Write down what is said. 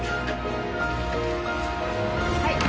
はい。